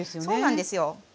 そうなんですよ。